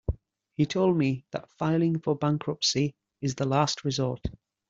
He told me that filing for bankruptcy is the last resort.